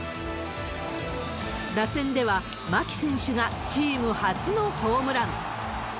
打線では、牧選手がチーム初のホームラン。